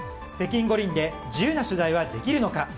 北京五輪で自由な取材はできるのか。